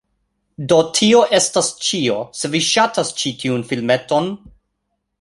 Do, tio estas ĉio se vi ŝatas ĉi tiun filmeton